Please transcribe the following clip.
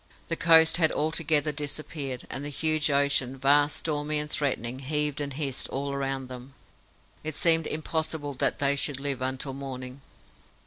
The coast had altogether disappeared, and the huge ocean vast, stormy, and threatening heaved and hissed all around them. It seemed impossible that they should live until morning.